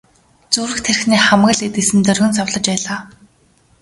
Зүрх тархины хамаг л эд эс нь доргин савлаж байлаа.